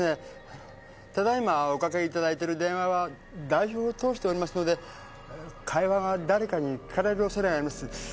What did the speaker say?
ただ今おかけいただいてる電話は代表を通しておりますので会話が誰かに聞かれる恐れがあります。